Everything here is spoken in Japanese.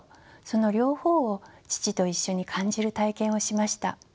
その両方を父と一緒に感じる体験をしました。